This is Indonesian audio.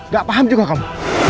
gak paham juga kamu